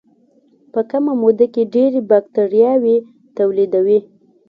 په کمه موده کې ډېرې باکتریاوې تولیدوي.